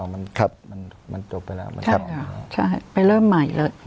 มันจบไปแล้วไปเริ่มใหม่แล้ว